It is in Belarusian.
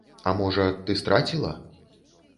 А можа, ты страціла?